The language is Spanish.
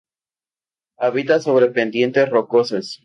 Habita sobre pendientes rocosas.